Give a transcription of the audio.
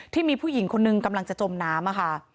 ที่มีผู้หญิงคนนึงกำลังจะจมน้ำค่ะ